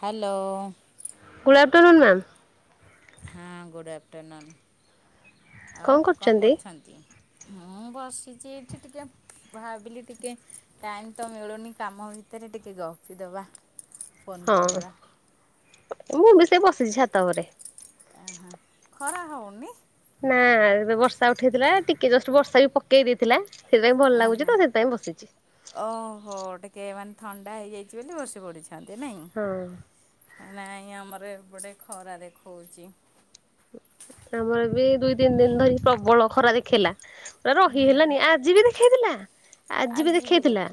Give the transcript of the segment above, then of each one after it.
Hello. Good afternoon ma'am. ହଁ good afternoon. ଆଉ କଣ କରୁଛନ୍ତି? ମୁଁ ବସିଛି ଏଇଠି ଟିକେ। ଭାବିଲି ଟିକେ ଟାଇମ୍ ତ ମିଳୁନି କାମ ଭିତରେ ଭିତରେ ଟିକେ ଗପି ଦେବା। ହଁ। ମୁଁ ବି ସେ ବସିଛି ଛାତ ଉପରେ। ଅହୋ। ଖରା ହଉନି? ନା ଏବେ ବର୍ଷା ଉଠେଇଥିଲା, ଟିକେ ଜଷ୍ଟ ବର୍ଷା ବି ପକେଇ ଦେଇଥିଲା। ସେଥିପାଇଁ ଭଲ ଅହ ଲାଗୁଛି ତ ସେଥିପାଇଁ ବସିଛି। ଓହୋ। ଟିକେ ମାନେ ଥଣ୍ଡା ହେଇଯାଇଛି ବୋଲି ବସି ପଢଡିଛନ୍ତି ନାଇଁ? ହଁ ନାଇଁ ଆମର ଏପଟେ ଖରା ଦେଖଉଛି। ଆମର ବି ଦୁଇ ତିନି ଦିନ ଧରି ପ୍ରବଳ ଖରା ଦେଖେଇଲା, ପୁରା ହୁଁ। ରହି ହେଲାନି। ଆଜି ବି ଦେଖ ଦେଖେଇଥିଲା, ଆଜି ବି ଦେଖେଇଥିଲା।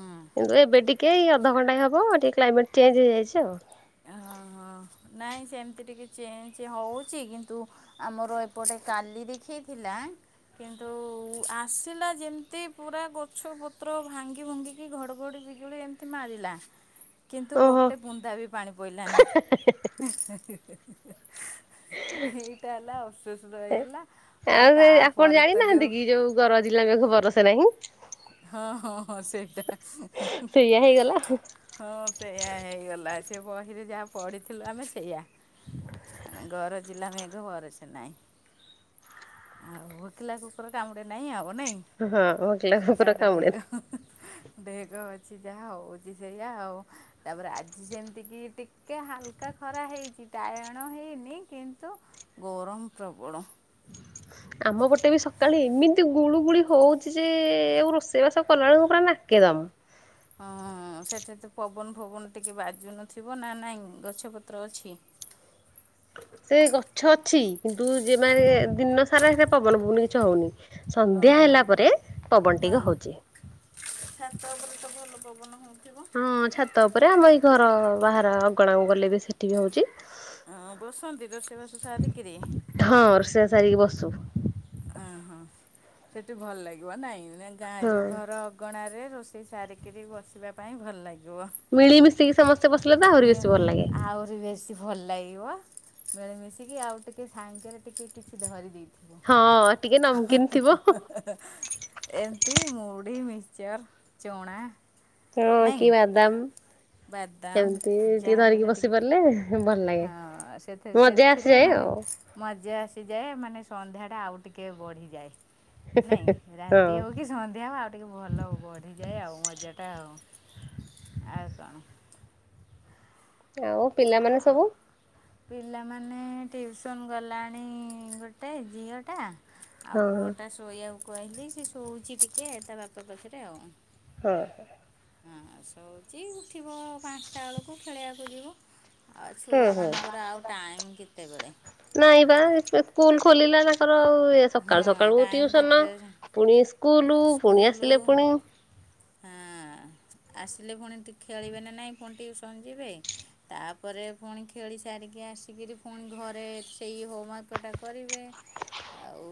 କିନ୍ତୁ ଏବେ ଟି ଏୟୀ ଅଧ ଘଣ୍ଟାଏ ହେବ ଟିକେ କ୍ଲାଇମେଟ୍ ଚେଞ୍ଜ ହେଇଯାଇଛି ଆଉ। ହ ହଁ ନାହିଁ ସେମିତି ଟିକେ ଚେଞ୍ଜ ହେଉଛି କିନ୍ତୁ ଆମର ଏପଟେ କାଲି ଦେଖେଇଥିଲା କିନ୍ତୁ ଆସିଲା ଯେମିତି ପୁରା ଗଛ ପତ୍ର ଭାଙ୍ଗି ଭୁଙ୍ଗି କି ଘଡ଼ଘଡ଼ି ବିିଜୁଳି ଏମିତି ମାରିଲା କିନ୍ତୁ ଓହୋ। ଗୋଟେ ବୁନ୍ଦା ବି ପାଣି ପଇଲାନି। [unintelligible] ଏଇଟା ହେଲା ଅସସ୍ଥ ହେଇଗଲା ଆଉ ସେ ଆପଣ ତାପରେ ତ ଜାଣିନାହାନ୍ତି ଯୋଉ କି ଗରଜିଲା ମେଘ ବରସେ ନାହିଁ। ହଁ ହଁ ହଁ, ସେଇଟା। [unintelligible] ସେଇଆ ହେଇଗଲା। ହଁ ସେଇୟା ହେଇଗଲା, ସେ ବହିରେ ଯାହା ପଢିଥିଲୁ ଆମେ, ସେଇୟା। ଘରଜିଲା ମେଘ ବରଷେ ନାଇଁ। ଆଉ ଭୋକିଲା କୁକୁର କାମୁଡେ ନାଇଁ। ଆଉ ନାଇଁ। ହଁ। ସେଟା କୁକୁର ଗୋଟେ କାମୁଡେ ଢେଗ, ଢେକ ଅଛି ଯାହା ହଉଛି ସେଇଆ ଆଉ। ତାପରେ ଆଜି ସେମିତି କି ଟିକେ ହାଲକା ଖରା ହେଇଛି, ଟାୟଣ ହେଇନି କିନ୍ତୁ ଗରମ ପ୍ରବଳ। ଆମ ପଟେ ବି ସକାଳେ ଏମିତି ଗୁଳୁ ଗୁଳି ହଉଛି ଯେ, ଆଉ ରୋଷେଇବାସ କଲାବେଳକୁ ପୁରା ନାକେଦମ। ହଁ ସେଠି ତ ପବନ ଫବନ ଟିକେ ବାଜୁନଥିବ, ନା ନାଇଁ ଗଛପତ୍ର ଅଛି? ସେ ଗଛ ଅଛି। କିନ୍ତୁ ଯେମାନେ ଦିନ ସାରା ସେରେ ପବନ ପଉନ କିଛି ହେଉନି ସନ୍ଧ୍ୟା ଓହୋ ହେଲା ପରେ ପବନ ଟିକେ ହଁ ହେଉଛି। ଛାତ ଉପରେ ତ ଭଲ ପବନ ହଉଥିବ? ହୁଁ ଛାତ ଉପରେ ଆମ ଏଇ ଘର ବାହାର ଅଗଣାକୁ ଗଲେ ବି ସେଠି ବି ହଉଛି। ହଁ ବସନ୍ତି ରୋଷେଇବାସ ସାରି କିରି ହଁ ରୋଷେଇଆ ସାରିକି ବସୁ। ଅହୋ ସେଠି ଭଲ ଲାଗିବ ନାଇଁ, ଗାଁ ଯୋଉ ଘର ଗଣାରେ ରୋଷେଇ ସାରିକିରି ବସିବା ପାଇଁ ଭଲ ଲାଗ ଯଅ ମିଳିମିଶିକି ସମସ୍ତେ ବସିଲେ ତ ଆହୁରି ମେ ବେଶୀ ଭଲ ଲାଗେ ଆହୁରି ବସ୍ ଭଲ ଲାଗିବ ମିଳିମିଶିକି ଆଉ ଟିକେ ସାଙ୍ଗରେ ଟିକେ କିଛି ଧରି ଦେଇଥିବ। ହଁ। ଟିକେ ନମକିନ୍ ଥିବ। [unintelligible] ଏମ୍ ତି ମୁଢ଼ି ମିସ୍କଚର୍ ଚଣା ହଁ କି ବାଦାମ୍ ବାଦାମ୍ ଯାହା ବି ହେଲେ ଟିକେ ପାରିଲେ ଭଲ ଲାଗେ। ହଁ ସେଥି ମଜା ସେଥିରେ ଆସିଯାଏ ମାନେ ଆଉ। ମଜା ଆସିଯାଏ ମାନେ ସନ୍ଧ୍ୟାଟା ଆଉ ଟିକିଏ ବଢ଼ିଯାଏ। ନାଇଁ ରାତି ହଁ। ହଉ କି ସନ୍ଧ୍ୟା ହଉ ଆଉ ଟିକେ ଭଲ ବଢ଼ିଯାଏ ଆଉ ମଜାଟା ଆଉ ଆଉ କଣ? ଆଉ ପିଲାମାନେ ସବୁ? ପିଲାମାନେ ଟିଉସନ୍ ଗଲାଣି ଗୋଟେ ଝିଅଟା। ଆଉ ହଁ। ପୁଅଟା ଶୋଇବାକୁ କହିଲି ସେ ଶୋଉଚି ଟିକେ ତା ବାପା ପାଖରେ ଆଉ। ହଁ। ହଁ ଶୋଉଚି ଉଠିବ ପାଞ୍ଚଟା ବେଳକୁ ଖେଳିବାକୁ ଯିବ। ଆଉ ହୁଁ ଛୁଆ ହୁଁ। ମାନଙ୍କର ଆଉ ଟାଇମ୍ କେତେବେଳେ? ନାଇଁ ବା ସ୍କୁଲ ଖୋଲିଲା ତାଙ୍କର ଏ ସକାଳୁ ହଁ ସକାଳୁ ଟାଇମ୍ ଟିଉସନ କେତେଟାରେ ପୁଣି ସ୍କୁଲୁ ପୁଣି ଆସିଲେ ପୁଣି ହଁ। ଆସିଲେ ପୁଣି ଟି ଖେଳିବେ ନା ନାଇଁ ପୁଣି ଟିୟୁସନ୍ ଯିବେ। ତାପରେ ପୁଣି ଖେଳି ସାରିକି ଆସିକିରି ପୁଣି ଘରେ ସେଇ ହୋମ୍ ୱାର୍କଟା କରିବେ। ଆଉ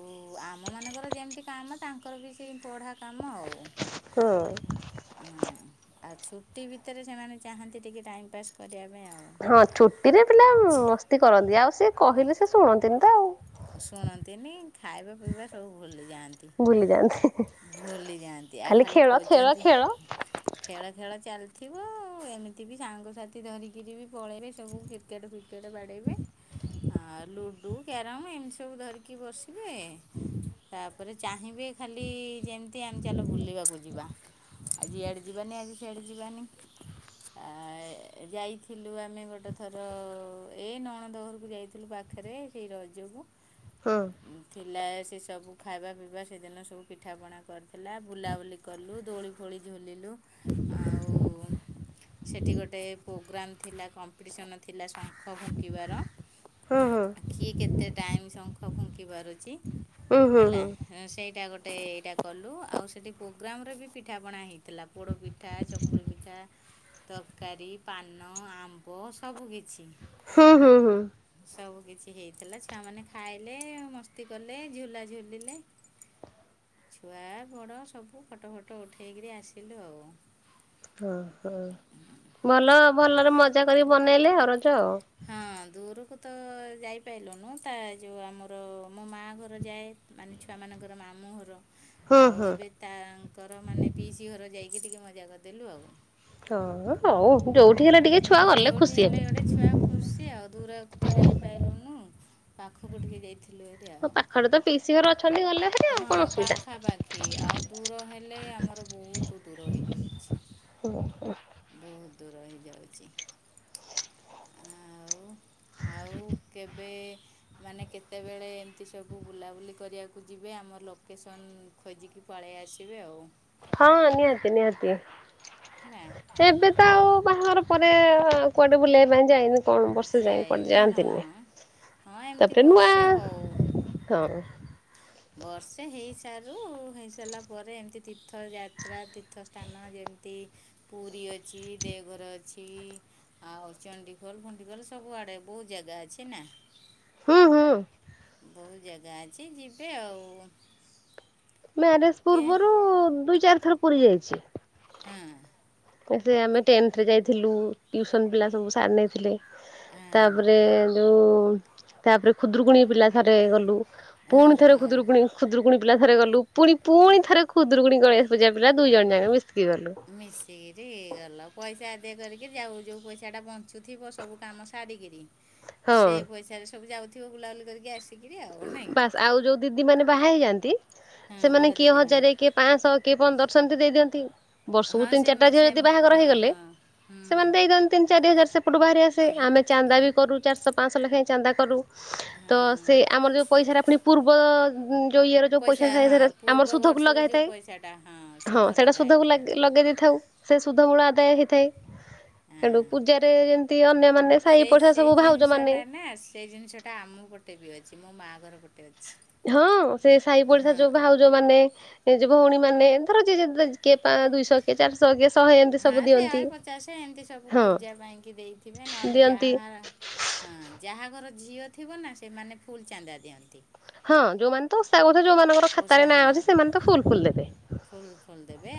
ଆମ ମାନଙ୍କର ଯେମତି କାମ ତାଙ୍କର ବି ସେଇ ପଢା କାମ ଆଉ। ହଁ। ଉଁ ଆଉ ଛୁଟି ଭିତରେ ସେମାନେ ଚାହାଁନ୍ତି ଟିକେ ଟାଇମ୍ ପାସ୍ କରିଆ ପାଇଁ ଆଉ। ହଁ ଛୁଟିରେ ପିଲା ମସ୍ତି କରନ୍ତି ଆଉ ସେ କହିଲେ ସେ ଶୁଣନ୍ତିନି ତ ଆଉ। ଶୁଣନ୍ତିନି ଖାଇବା ପିଇବା ସବୁ ଭୁଲି ଯାଆନ୍ତି, ଭୁଲି ଯାଆନ୍ତି ଭୁଲି ଯାଆନ୍ତି ଆଉ ଖାଲି ଖେଳ ଖେଳ ଖୋଜନ୍ତି ଖେଳ ଖେଳ ଖେଳ ଚାଲ୍ ଥିବ ଏମିତି ବି ସାଙ୍ଗସାଥି ଧରିକିରି ବି ପଳେଇବେ ସବୁ କି କେଟ୍ ଫିକେଟ୍ ବାଡେଇବେ ଆଁ ଲୁଡୁ କେ ରମ୍ ଏମତି ସବୁ ଧରିକି ବସିବେ ତା ତାପରେ ଚାହିଁବେ ଖାଲି ଯେମତି ଆମ୍ ଚାଲ ବୁଲିବାକୁ ଯିବା। ଆଜି ଇଆଡ଼େ ଯିବାନି ଆଜି ସିଆଡ଼େ ଯିବାନି। ଆ ଯାଇଥିଲୁ ଆମେ ଗୋଟେ ଥର ଏଇ ନଣଦ ଘରକୁ ଯାଇଥିଲୁ ପା ଖରେ ସେଇ ରଜକୁ। ହଁ। ଥିଲା ଏ ସେ ସବୁ ଖାଇବା ପିଇବା ସେଦିନ ସବୁ ପିଠାପଣା କରିଥିଲା ବୁଲାବୁଲି କଲୁ ଦୋଳି ଫୋଳି ଝୁଲିଲୁ, ଆଉ ସେଠି ଗୋଟେ ପୁ ଗ୍ରାମ୍ ଥିଲା କମ୍ପିଟିସନ ଥିଲା ଶଙ୍ଖ ଫୁଙ୍କିବାର। ହୁଁ ହୁଁ। [inaudible] କିଏ କେ ତେ ଟାଇମ୍ ଶଙ୍ଖ ଫୁଙ୍କି ପାରୁଚି ହୁଁ ହୁଁ ହେଲା। ହୁଁ ସେଇଟା ଗୋଟେ ଏଇଟା କଲୁ ଆଉ ସେଇଠି ପ୍ରୋଗ୍ରାମରେ ବି ପିଠାପଣା ହେଇଥିଲା ପୋଡ଼ପି ଠା ଚକୁଳି ପିଠା ତରକାରୀ ପାନ ଆମ୍ବ ସବୁ କିିଛି। ହୁଁ ହୁଁ ହୁଁ। ସବୁ କିଛି ହେଇଥିଲା ଛୁଆ ମାନେ ଖାଇଲେ ମସ୍ତି କଲେ ଝୁଲା ଝୁଲିଲେ। ଛୁଆ ବଡ ସବୁ ଫଟ ଫଟ ଉଠେଇକିରି ଆସିଲୁ। ଭଲ ଭଲରେ ମଜା କରି ବନେଇଲେ ଆ ରଜ। ହଁ ଦୂରୁକୁ ତ ଯାଇପାଇଲୁନୁ ତା ଯଉ ଆମର ମୋ ମାଆ ଘର ଯାଏ ମାନେ ଛୁଆମାନଙ୍କର ମାମୁଁ ହର। ହୁଁ ଆଉ ହୁଁ ଏବେ ତାଙ୍କର ମାନେ ପିଇସି ଘର ଯାଇକି ଟିକେ ମଜା କରଦେଲୁ ଆଉ। ହଁ ହଉ ଯୋଉଠିକି ହେଲେ ଟିକେ ଛୁଆ ଗଲେ ଯେଉଁଠି ଖୁସି ହେଲେ ହେବେ। ଗୋଟେ ଛୁଆ ଖୁସି ଆଉ ଦୂରକୁତ ଯାଇପାଇଲୁନୁ ପାଖକୁ ଟିକେ ଯାଇଥିଲୁ ଏ। ହଁ ପାଖରେ ତ ପିସି ଘର ଅଛନ୍ତି ଗଲେ ହେ ହଁ ପାଖାପାଖି ଆଉ ଦୂର ହେଲେ ଆମର ବହୁତ ଦୂର ହେଇଯାଉଛି। ଉ ହୁଁ। ବହୁତ ଦୂର ହେଇଯାଉଛି। ଆଉ ଆଉ କେବେ ମାନେ କେତେବେଳେ ଏମିତି ସବୁ ବୁଲାବୁଲି କରିବାକୁ ଯିବେ। ଆମ ଲୋକେସନ୍ ଖୋଜିକି ପଳେଇ ଆସିବେ ଆଉ। ହଁ ନିହାତି ନିହାତି। ନା। ଏବେ ତ ଆଉ ବାହାଘର ପରେ କୁଆଡେ ବୁଲେଇ ପାଇଁ ଯାଇନୁ। କଣ ବର୍ଷେ ଯାଏ କୁଆଡେ ଯାଇନି ହଁ ଯାଆନ୍ତିନି। ହଁ ଏମିତି ତାପରେ ନୂଆ ବର୍ଷେ ହଉ ହଁ। ବର୍ଷେ ହେଇସାରୁ। ହେଇସାରିଲା ପରେ ଏମିତି ତୀର୍ଥଯାତ୍ରା, ତୀର୍ଥସ୍ଥାନ, ଯେମିତି ପୁରୀ ଅଛି ଦେଓଘର ଅଛି ଆଉ ଚଣ୍ଡିଖୋଲ, ଫଣ୍ଡିଖୋଲ ସବୁଆଡେ ବହୁତ ଜାଗା ଅଛି ନା। ହୁଁ ହୁଁ। ବହୁତ ଜାଗା ଅଛି। ଯିବେ ଆଉ ମ୍ୟାରେଜ କେ ପୂର୍ବରୁ ଦୁଇ ଚାରି ଥର ପୁରୀ ଯାଇଛି। ହେଁ। ଏ ଆମେ ଟେନ୍ଥରେ ଯାଇଥିଲୁ। ଟ୍ୟୁସନ୍ ପିଲା ସବୁ ସାର ନେଇଥିଲେ। ହଁ ହଁ ତାପରେ ଯୋଉ ତାପରେ ଖୁଦୁରୁକୁଣି ପିଲା ଥରେ ଗଲୁ। ପୁଣି ଥରେ ଓହୋ ଖୁଦୁରୁକୁଣି, ଖୁଦୁରୁକୁଣି ପିଲା ଥରେ ଗଲୁ ପୁଣି ପୁଣି ଥରେ ଖୁଦୁକୁୁଣି ଗଣେସ ପୂଜା ପିଲା ଦୁଇଜଣ ଯାକ ମିଶକି ଗଲୁ। ମିଶିକିରି ଗଲା ପଇସା ଆଦାୟାକରିକି ଯାଉ। ଯୋଉ ପଇସା ଟା ବଞ୍ଚୁଥିବ ସବୁ କାମ ସାରିକିରି ହଁ ସେଇ ପଇସାରେ ସବୁ ଯାଉଥିବ। ବୁଲାବୁଲି କରିକି ଆସ ବାସ୍ ଆଉ ଯୋଉ ଦିଦି ମାନେ ବାହା ହେଇଯାଆନ୍ତି। ହଁ ସେମାନେ ବଡ଼ କିଏ ଦିଦିମାନେ ହଜାରେ କିଏ ପାଂଶ କିଏ ପନ୍ଦର ଶହ ଏମିତି ଦେଇ ଦିଅନ୍ତି। ବର୍ଷକୁ ହଁ ତିନି ସେ ଚାରିଟା ଝିଅ ସେ ଯଦି ବାହାଘର ହଁ ହେଇଗଲେ। ହଁ ହୁଁ ସେମାନେ ଦେଇଦିଅନ୍ତି ତିନି ଚାରି ହଜାର ସେପଟୁ ବାହାରି ଆସେ। ଆମେ ଚାନ୍ଦା ବି କରୁ। ଚାରିଶହ ପାଂଶହ ଲେଖାଏଁ ଚାନ୍ଦା କରୁ। ହଁ ତ ସେ ଆମର ଯେଉ ପଇସାରେ ଆଣି ପୂର୍ବ ଯୋଉ ଇଏର ଯୋଉ ପଇସା ଥାଏ ହଁ ସେରା ପୂର୍ବ ଆମର ସୁଧକୁ ବର୍ଷରୁ ଯେଉଁ ଲଗେଇଥାଏ। ପଇସାଟା ହଁ ସୁଧ ସେଇଟା ଲଗା ସୁଧକୁ ହେଇଥାଏ ଲଗେଇ ଦେଇଥାଉ। ସେ ସୁଧମୂଳ ଆଦାୟ ହେଇଥାଏ। ସେଠୁ ହଁ ପୂଜାରେ ଯେମତି ଅନ୍ୟମାନେ ସାହି ସେଇ ପାଡିଶା ସେଇ ସବୁ ଭାଉଜ ମାନେ ଜିନିଷଟା ନା ସେଇ ଜିନିଷଟା ଆମ ପଟେ ବି ଅଛି। ମୋ ମାଆ ଘର ପଟେ ଅଛି। ହଁ ସେ ସାହି ପଡିଶା ହଁ ଯୋଉ ଭାଉଜ ଭାଉଜ ମାନ, ଭଉଣୀ ମାନେ, ଧର ଯିଏ ଯେତେ କିଏ ପାଆଁ ଦୁଇଶ ହାଁ ସହେ ପଚାଶ ଏମତି ସବୁ ହଁ ପୂଜା ପାଇଁକି ଦେଇଥିବେ। ନହେଲେ ଦିଅନ୍ତି। ଯାହା ହାଁ ଯାହାଘରେ ଝିଅ ଥିବ ନା। ସେମାନେ ଫୁଲ୍ ଚାନ୍ଦା ଦିଅନ୍ତି। ହଁ ଯୋଉମାନେ ତ ଓସା କରୁଥିବେ ଯୋଉମାନଙ୍କର ଖାତାରେ ଓଷା ନାଁ ହଁ ଅଛି ସେମାନେ ତ ଫୁଲ୍ ଫୁଲ୍ ଦେବେ। ଫୁଲ୍ ଫୁଲ୍ ଦେବେ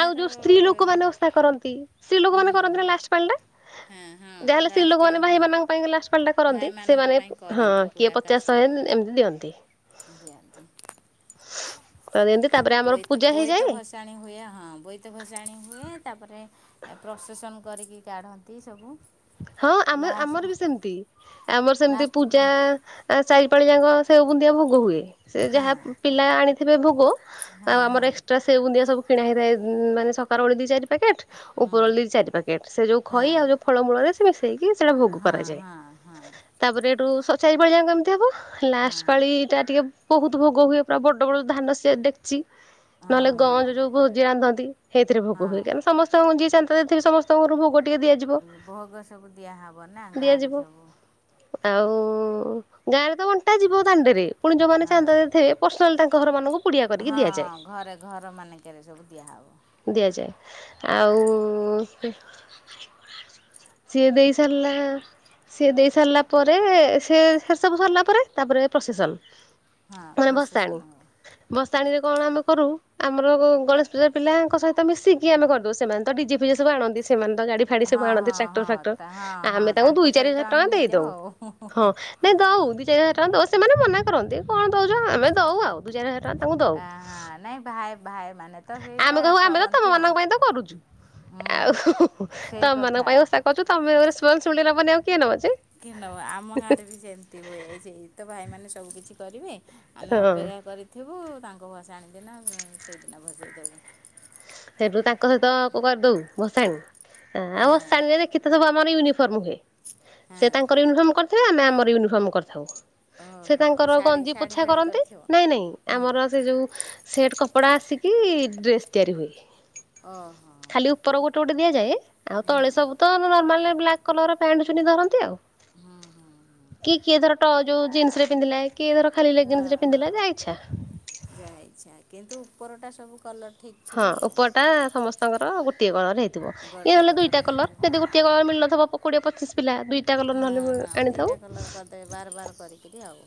ଆଉ ଯୋଉ ସ୍ତ୍ରୀ ହଁ ଲୋକମାନେ ଓଷା କରନ୍ତି। ସ୍ତ୍ରୀ ଲୋକ ହୁଁ ମାନ କରନ୍ତି ନା ହୁଁ ଲାଷ୍ଟ ପାଳିଟା? ହଁ ହଁ ଯାହାହେଲେ ଲାଷ୍ଟ ସ୍ତ୍ରୀଲୋକମାନେ ହଁ ଭାଇମାନଙ୍କ ପାଇଁ ଲାଷ୍ଟ୍ ପାଳିଟା କରନ୍ତି। ଭାଇମାନଙ୍କ ସେମାନେ ପାଇଁ ହଁ କରନ୍ତି କିଏ ପୁରା ପଚାଶ କାଷ୍ଟା ଶହେ ରୁହନ୍ତି ଏମିତି ଦିଅନ୍ତି। ଦିଅନ୍ତି। ତ ଦିଅନ୍ତି ଆଉ ତାପରେ ଆମର ବୋଇତ ପୂଜା ଭସା ହେଇଯାଏ। ଭସାଣି ହୁଏ ହଁ ବୋଇତ ଭସାଣି ହୁଏ। ତାପରେ ଏ ପ୍ରସେସନ କରିକି କାଢନ୍ତି ସବୁ। ହଁ ଆମେ ଲାଷ୍ଟ ଆମର ବି ସେମିତି। ଆମର ସେମିତି ଲାଷ୍ଟ ହଁ ପୂଜା ଆ ଚାରିପାଳି ଯାକ ସେଇ ବୁନ୍ଦିଆ ଭୋଗ ହୁଏ। ସେ ଯାହା ହଁ ପିଲା ଆଣିଥିବେ ଭୋଗ। ଆଉ ହଁ ଆମର ହଁ ଏକ୍ସଟ୍ରା ସେଉ ବୁନ୍ଦିଆ ସବୁ କିଣା ହୋଇଥାଏ। ମାନ ସକାଳ ୱଳି ଦି ଚାରି ପ୍ୟାକେଟ୍। ଉପରି ଓଳି ଦି ଚାରି ପ୍ୟାକେଟ୍। ସେ ଯୋଉ ଖାଇ ହଁ ଆଉ ଯୋଉ ଫଳମୂଳରେ ସେ ମିଶେଇକି ସେଟା ଭୋଗ ହଁ କରାଯାଏ। ହଁ ହଁ ତାପରେ ହେଠୁ ସ ଚାରି ପାଳି ଯାକ କେମିତି ହବ। ଲାଷ୍ଟ ପାଳି ଟା ଟିକେ ବହୁତ୍ ଭୋଗ ହୁଏ। ପୁରା ବଡ ବଡ ଧାନ ସିଆ ଡେକ୍ଚି, ହଁ ନହେଲେ ହଁ ଗଞ୍ଜ ଯୋଉ ଭୋଜି ରାନ୍ଧନ୍ତି। ସେଇଥିରେ ଭୋଗ ହଁ ହୁଏ। କହିଁକି ନା ସମସ୍ତଙ୍କୁ ଯିଏ ଚାନ୍ଧା ଦେଇଥିବେ ସମସ୍ତଙ୍କ ଘରକୁ ଭୋଗ ଟିକେ ଦିଆଯିବ। ଭୋଗ ସବୁ ଦିଆହବ ନାଁ ଗାଁରେ ଦିଆଯିବ ସବୁ। ଆଉ ଗାଁରେ ତ ଅଣ୍ଟା ଯିବ ଦାଣ୍ଡେରେ ପୁଣି ଯୋଉମାନେ ହଁ ଚାନ୍ଦା ଦେଇଥିବେ ପର୍ସନାଲ୍ ତାଙ୍କ ଘରମାନଙ୍କୁ ହଁ ଘରେ ଘର ମାନେ କେରେ ସବୁ ଦିଆହବ। ଦିଆଯାଏ ଆଉ ସିଏ ଦେଇ ସାରିଲା। ସି ଦେଇ ସାରିଲା ପରେ ସେ ସେସବୁ ସାରିଲା ପରେ ତାପରେ ପ୍ରସେସନ୍। ହଁ ମାନେ ଭସାଣୀ ପ୍ରସେସନ୍ ହବ ଭସାଣୀରେ କଣ ଆମେ କରୁ ଆମର ଗଣେଶ ପୂଜା ପିଲାଙ୍କ ସହିତ ମିଶିକି ଆମେ କରିଦଉ ସେମାନେ ତ ଡିଜେ ଫିଜେ ସବୁ ଆଣନ୍ତି ସେମାନେ ତ ଗାଡି ଗାଡି ସବୁ ହଁ ଆଣନ୍ତି ହଁ ଟ୍ରାକ୍ଟର ହଁ ଫାକ୍ଟର ତା ହଁ ହଁ ଆମେ ତାଙ୍କୁ ତାଙ୍କ ଦୁଇ ଚାରି ସହିତ ହଜାର ଆମେ ଟଙ୍କା ଦେଇ ନେଇଯାଉ ଦଉ ଆଉ ହଁ। ନାଇଁ ଦଉ ଦି ଚାରି ହଜାର ଟଙ୍କା ସେମାନେ ମନା କରନ୍ତି। କଣ ଦଉଚ ଆମେ ଦଉ ଆଉ ଦୁ ଚାରି ହଜାରେ ଟଙ୍କା ତାଙ୍କୁ ଦଉ। ହଁ ନାଇଁ ଭାଇ ଭାଇମାନେ ତ ସେଇଟା ଆମେ କହିବୁ ଆମେ ତ ତମ କରନ୍ତି ଆଉ ମାନଙ୍କ ପାଇଁ ତ କରୁଚୁ। ହୁଁ ଆଉ ସେଇ ତମ ମାନଙ୍କ କଥା ପାଇଁ ଓଷା କରୁଛୁ ତମେ ରେସପସିପୁଟି ନବନି ଆଉ କିଏ ନବ ଯେ। କିଏ ନବ ଆମ ଗାଁରେ ବି ସେମିତି ହୁଏ। ସେଇତ ଭାଇମାନେ ସବୁ କିିଛି କରିବେ। ଆମେ ହଁ ଅପେକ୍ଷା କରିଥିବୁ। ତାଙ୍କ ଭସାଣି ଦିନ ସେଇ ଦିନ ଭସେଇ ଦବୁ। ସେବେ ତାଙ୍କ ସହିତ କ କରିଦଉ ଭସାଣୀ ଆ ହଁ ଭସାଣିରେ କେତେ ସବୁ ଆମର ୟୁନି ନୁହେଁ ସେ ହଁ ତାଙ୍କର ୟୁନିଫର୍ମ କରି ଥିବେ ଆମେ ଆମର ୟୁନିଫର୍ମ କରିଥାଉ। ସେ ଓହୋ ତାଙ୍କର ଶାଢ଼ୀ ଗଞ୍ଜି ଶାଢ଼ୀ ପୋଛା ଫାଢ଼ୀ କରନ୍ତି କରିଥିବ ନାଇଁ ନାଇଁ ହୁଁ ଆମର ସେ ଯୋଉ ସେଟ୍ କପଡ଼ା ଆସିକି ଡ୍ରେସ୍ ତିଆରି ହୁଏ। ଅହଂ। ଖାଲି ଉପର ଗୋଟେ ଗୋଟେ ଦିଆଯାଏ ଆଉ ତଳେ ସବୁ ତ ନର୍ମାଲେ ବ୍ଲାକ୍ କଲର୍ ପ୍ୟାଣ୍ଟ ଚୁନି ଧରନ୍ତି ଆଉ। କି କିଏ ଧର ଟ ଯୋଉ ଜିନ୍ସ ରେ ପିନ୍ଧିଲା କିଏ ଧର ଖାଲି ହଁ ଲେଗୀନ୍ସ ରେ ହଁ ପିନ୍ଧିଲା ଯା ଇଚ୍ଛା। ଯାହା ଇଚ୍ଛା କିନ୍ତୁ ଉପରଟା ସବୁ କଲର୍ ଠିକ୍ ଥିବ ହଁ ଆଉ ଉପଟା ସମସ୍ତଙ୍କର ଗୋଟିଏ କଲର୍ ହେଇଥିବ ଇଏ ଗୋଟେ ହେଲେ ଦୁଇଟା ହେଇଥିବ କଲର୍ ଯଦି ଗୋ ଗୋଟିଏ କଲର୍ ମିଳିନଥିବ କୋଡ଼ିଏ ପଚିଶି ପିଲା ଦୁଇଟା କଲର୍ ନହେଲେ ବୋ ଆଣିଥାଉ। ତେ ବାର ବାର କରିକିରି ଆଉ।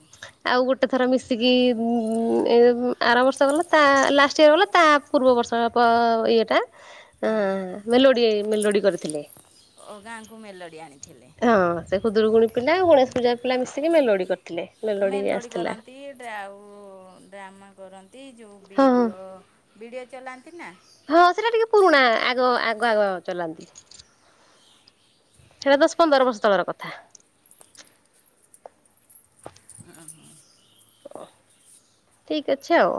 ଆଉ ଗୋଟେ ଥର ମିଶିକି ଉଁ ଉଁ ଆର ବର୍ଷ ଗଲା ତା ଲାଷ୍ଟ ଇୟର ଗଲା ତା ପୂର୍ବ ବର୍ଷ ପ ଇଏଟା ଆଁ ହଁ ମେଲୋଡି ମେଲୋଡି କରିଥିଲେ। ଓ ଗାଁଙ୍କୁ ମେଲୋଡ଼ି ଆଣିଥିଲେ। ହଁ ସେ ଖୁଦୁରୁକୁୁଣୀ ପିଲା ଗଣେଶ ପୂଜା ପିଲା ମିଶିକି ମେଲୋଡ଼ି କରିଥିଲେ ମେଲୋଡ଼ି ଆସିଥିଲା। ଆଉ ଡ୍ରାମା କରନ୍ତି ଯଉ ହଁ ହଁ ବିଡ଼ୁଅ ବିଡ଼ୁଅ ଚଲାନ୍ତି ନା? ହଁ ସେଟା ଟିକେ ପୁରୁଣା ଆଗ ଆଗ ଆଗ ଚଲାନ୍ତି। ସେଇଟା ଦଶ ପନ୍ଦର ବର୍ଷ ତଳର କଥା। ଉଁ ହୁଁ। ଓ ଠିକ୍ ଅଛି ଆଉ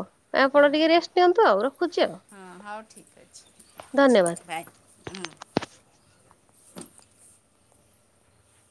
ଆପଣ ଟିକେ ରେଷ୍ଟ ନିଅନ୍ତୁ ଆଉ ରଖୁଛି ଆଉ। ହଁ ହଉ ଠିକ୍ ଅଛି ଧନ୍ୟବାଦ। ରଖୁଛି ବାଏ ହୁଁ।